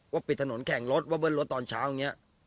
ปิดถนนแข่งรถว่าเบิ้ลรถตอนเช้าอย่างนี้